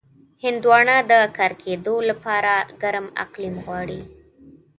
هندوانه د کر کېدو لپاره ګرم اقلیم غواړي.